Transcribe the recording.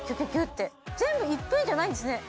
全部いっぺんじゃないんですね